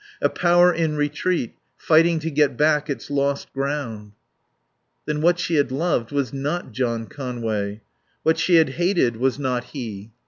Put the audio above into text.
A power in retreat, fighting to get back its lost ground." Then what she had loved was not John Conway. What she had hated was not he.